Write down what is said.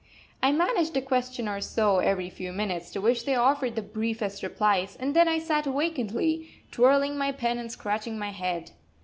I managed a question or so every five minutes, to which they offered the briefest replies; and then I sat vacantly, twirling my pen, and scratching my head.